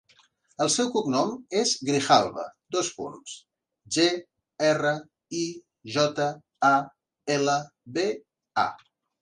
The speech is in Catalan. El seu cognom és Grijalba: ge, erra, i, jota, a, ela, be, a.